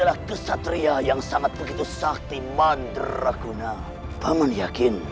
tapi kau tidak akan bisa sembunyi